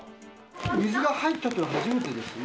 水が入ったというのは初めてですね。